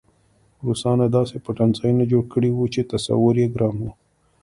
روسانو داسې پټنځایونه جوړ کړي وو چې تصور یې ګران و